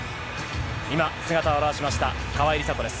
今、姿を現しました、川井梨紗子です。